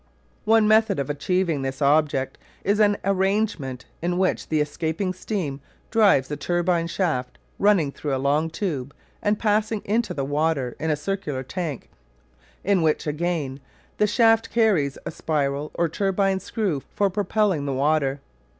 One method of achieving this object is an arrangement in which the escaping steam drives a turbine shaft running through a long tube and passing into the water in a circular tank, in which, again, the shaft carries a spiral or turbine screw for propelling the water.